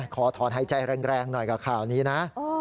ขอถอนหายใจแรงหน่อยกับข่าวนี้นะ